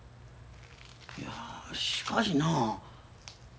いやしかしなあ。